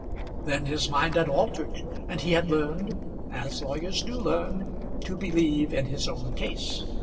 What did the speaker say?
Then his mind had altered, and he had learned, as lawyers do learn, to believe in his own case.